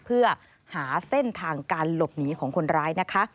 เพื่อหาเส้นทางการหลบหนีของคนร้ายนะคะ